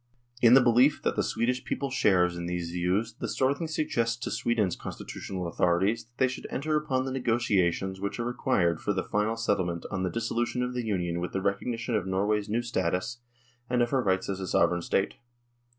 " In the belief that the Swedish people shares in these views the Storthing suggests to Sweden's constitutional authorities that they should enter upon the negotiations which are required for the final settlement on the dissolution of the Union with the recognition of Norway's new status and of her rights as a sovereign State.